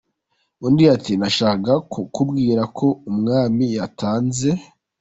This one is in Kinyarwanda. Undi ati :”Nashakaga kukubwira ko umwami yatanze”.